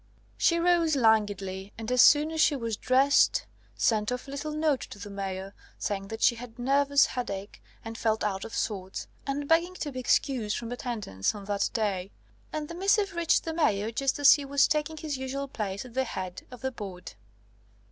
She rose languidly, and as soon as she was dressed sent off a little note to the Mayor, saying that she had a nervous headache and felt out of sorts, and begging to be excused from attendance on that day; and the missive reached the Mayor just as he was taking his usual place at the head of the Board.